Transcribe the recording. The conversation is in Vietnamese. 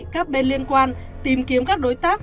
các bên liên quan tìm kiếm các đối tác